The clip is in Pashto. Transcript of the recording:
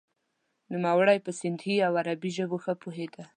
نوموړی په سندهي او عربي ژبو ښه پوهیده.